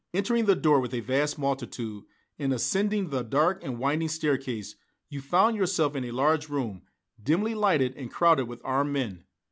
Entering the door with a vast multitude, and ascending the dark and winding staircase, you found yourself in a large room, dimly lighted and crowded with armed men.